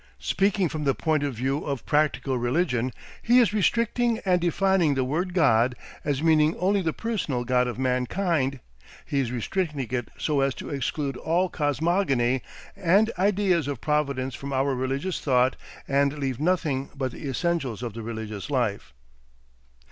Speaking from the point of view of practical religion, he is restricting and defining the word God, as meaning only the personal God of mankind, he is restricting it so as to exclude all cosmogony and ideas of providence from our religious thought and leave nothing but the essentials of the religious life.